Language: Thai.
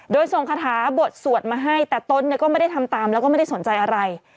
โดยส่งคาถาบทสวดมาให้แต่ตนก็ไม่ได้ทำตามแล้วก็ไม่ได้สนใจอะไร